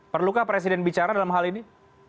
perlukah presiden bicara dalam hal ini